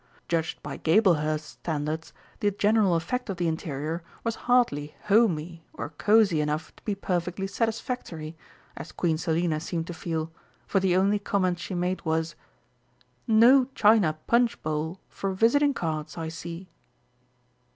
Judged by Gablehurst standards, the general effect of the interior was hardly 'home y' or cosy enough to be perfectly satisfactory, as Queen Selina seemed to feel, for the only comment she made was: "No china punch bowl for visiting cards, I see!"